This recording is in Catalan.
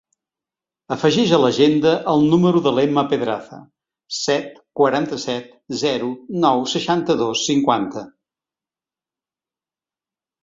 Afegeix a l'agenda el número de l'Emma Pedraza: set, quaranta-set, zero, nou, seixanta-dos, cinquanta.